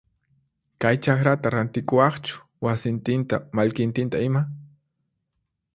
Kay chakrata rantikuwaqchu wasintinta mallkintinta ima?